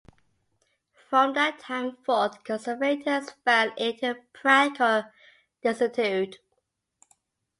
From that time forth conservators fell into practical desuetude.